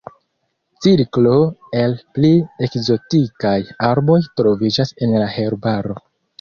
Cirklo el pli ekzotikaj arboj troviĝas en la herbaro.